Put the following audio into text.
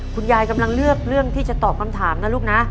กำลังเลือกเรื่องที่จะตอบคำถามนะลูกนะ